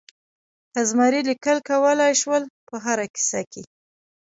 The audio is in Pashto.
که زمری لیکل کولای شول په هره کیسه کې.